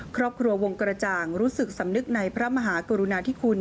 ครอบครัววงกระจ่างรู้สึกสำนึกในพระมหากรุณาธิคุณ